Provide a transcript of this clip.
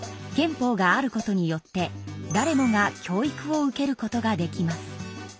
憲法があることによって誰もが教育を受けることができます。